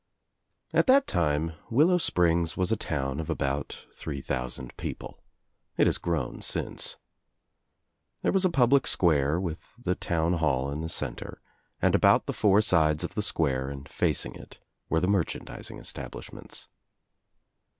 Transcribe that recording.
At that time Willow Springs was a town of about three thousand people. It has grown since. There was a public square with the town hall in the centre and about the four sides of the square and facing it were the merchandising establishments.